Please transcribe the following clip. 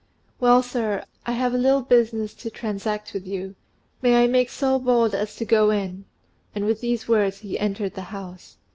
"Well, sir, I have a little business to transact with you. May I make so bold as to go in?" And with these words, he entered the house.